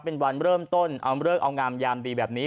เป็นวันเริ่มต้นเอาเลิกเอางามยามดีแบบนี้